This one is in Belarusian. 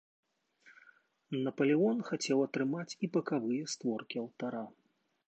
Напалеон хацеў атрымаць і бакавыя створкі алтара.